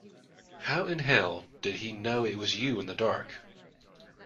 How in hell did he know it was you in the dark.